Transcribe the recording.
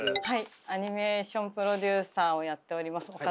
アニメーションプロデューサーをやっております岡田と申します。